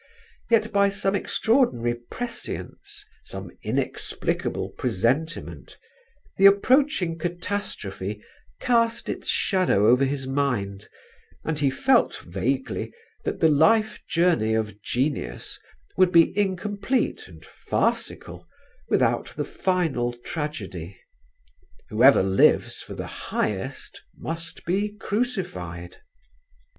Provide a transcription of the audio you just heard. Yet by some extraordinary prescience, some inexplicable presentiment, the approaching catastrophe cast its shadow over his mind and he felt vaguely that the life journey of genius would be incomplete and farcical without the final tragedy: whoever lives for the highest must be crucified.